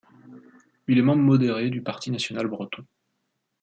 Il est membre modéré du Parti national breton.